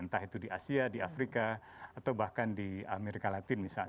entah itu di asia di afrika atau bahkan di amerika latin misalnya